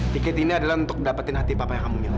tiket ini adalah untuk dapetin hati papa yang kamu minta